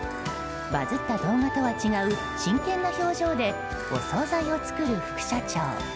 バズった動画とは違う真剣な表情でお総菜を作る副社長。